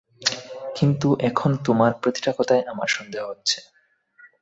কিন্তু এখন তোমার প্রতিটা কথায় আমার সন্দেহ হচ্ছে।